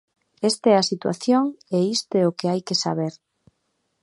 E esta é a situación e isto é o que hai que saber.